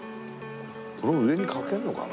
これは上にかけるのかな？